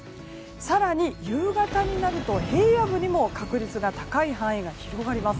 更に夕方になると平野部にも確率が高い範囲が広がります。